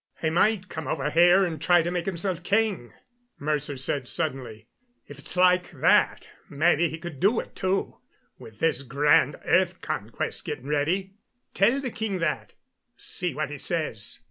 "He might come over here and try to make himself king," Mercer said suddenly. "If it's like that maybe he could do it, too, with this grand earth conquest getting ready. Tell the king that see what he says."